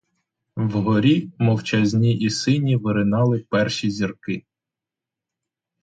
Вгорі мовчазні і сині виринали перші зірки.